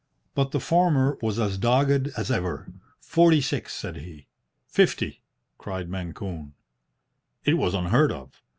But the former was as dogged as ever. "Forty six," said he. "Fifty!" cried Mancune. It was unheard of.